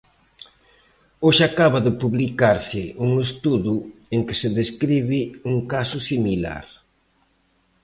Hoxe acaba de publicarse un estudo en que se describe un caso similar.